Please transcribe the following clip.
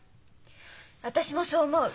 私もそう思う。